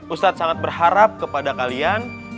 ustadz sangat berharap kepada kalian